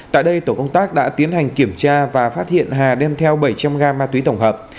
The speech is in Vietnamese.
tại đây tổ công tác đã tiến hành kiểm tra và phát hiện hà đem theo bảy trăm linh g ma túy tổng hợp